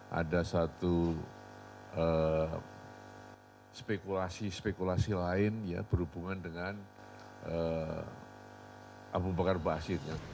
ini adalah satu spekulasi spekulasi lain berhubungan dengan abu bakar ba'asyir